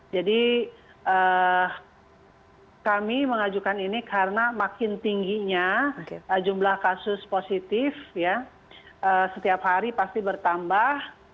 jadi kami mengajukan ini karena makin tingginya jumlah kasus positif setiap hari pasti bertambah